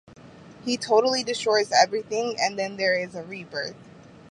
He totally destroys everything and then there is a rebirth.